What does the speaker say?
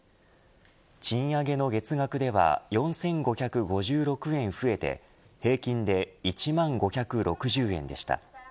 賃上げの月額では４５５６円増えて平均で１万５６０円でした。